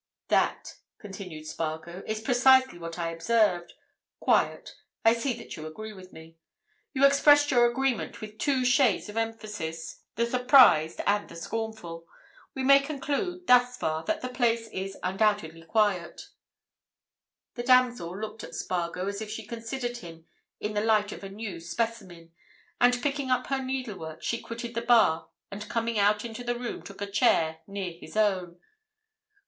"That," continued Spargo, "is precisely what I observed. Quiet. I see that you agree with me. You expressed your agreement with two shades of emphasis, the surprised and the scornful. We may conclude, thus far, that the place is undoubtedly quiet." The damsel looked at Spargo as if she considered him in the light of a new specimen, and picking up her needlework she quitted the bar and coming out into the room took a chair near his own.